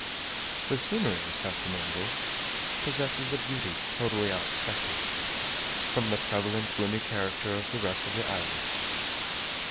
The scenery of St. Domingo possesses a beauty totally unexpected, from the prevalent gloomy character of the rest of the island.